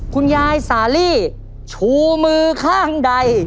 คุณยายสาลีชูมือข้างใด